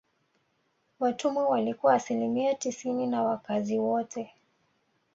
Watumwa walikuwa asilimia tisini ya wakazi wote